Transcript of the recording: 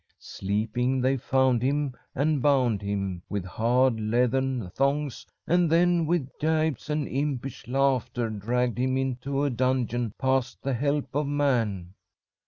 Sleeping they found him, and bound him with hard leathern thongs, and then with gibes and impish laughter dragged him into a dungeon past the help of man.